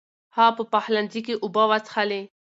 هغه په پخلنځي کې اوبه وڅښلې.